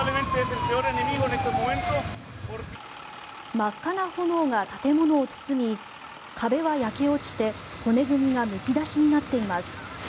真っ赤な炎が建物を包み壁は焼け落ちて骨組みがむき出しになっています。